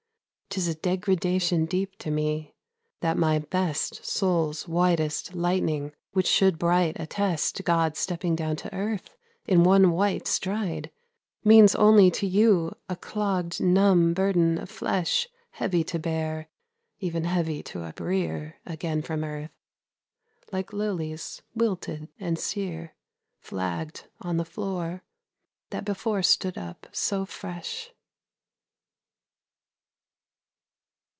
'Tis a degradation deep to me, that my best Soul's whitest lightning which should bright attest God stepping down to earth in one white stride, Means only to you a clogged, numb burden of flesh Heavy to bear, even heavy to uprear Again from earth, like lilies wilted and sere Flagged on the floor, that before stood up so fresh.